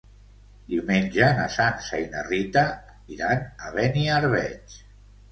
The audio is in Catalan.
Diumenge na Sança i na Rita iran a Beniarbeig.